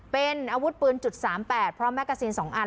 เป็นอาวุธปืน๓๘เพราะแมกาซิน๒อัน